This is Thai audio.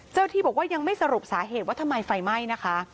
ที่บอกว่ายังไม่สรุปสาเหตุว่าทำไมไฟไหม้นะคะ